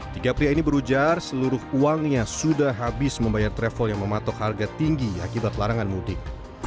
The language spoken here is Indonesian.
tiga pria ini berujar seluruh uangnya sudah habis membayar travel yang mematok harga tinggi akibat larangan mudik